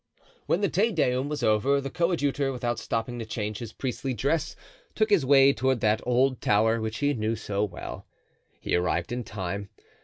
When the Te Deum was over, the coadjutor, without stopping to change his priestly dress, took his way toward that old tower which he knew so well. He arrived in time.